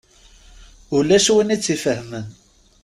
Ulac win i tt-ifehmen.